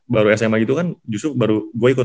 baru sma gitu kan justru baru gue ikut